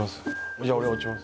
じゃあ俺落ちます。